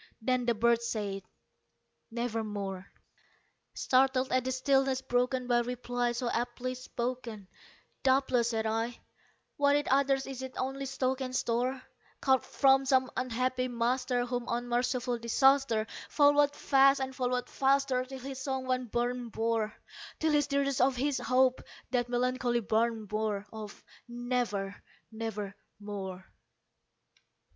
Then the bird said, "Nevermore." Startled at the stillness broken by reply so aptly spoken, "Doubtless," said I, "what it utters is its only stock and store, Caught from some unhappy master whom unmerciful Disaster Followed fast and followed faster till his songs one burden bore Till the dirges of his Hope that melancholy burden bore Of 'Never nevermore.'"